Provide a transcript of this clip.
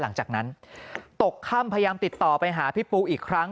หลังจากนั้นตกค่ำพยายามติดต่อไปหาพี่ปูอีกครั้ง